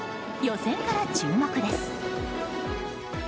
予選から注目です。